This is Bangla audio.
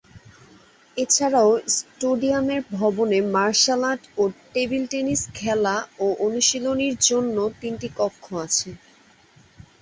এছাড়াও স্টেডিয়ামের ভবনে মার্শাল আর্ট ও টেবিল টেনিস খেলা ও অনুশীলনের জন্য তিনটি কক্ষ আছে।